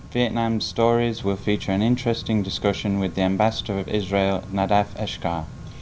việt nam sẽ phát triển một câu chuyện thú vị với đại sứ israel đại sứ israel nadav eskar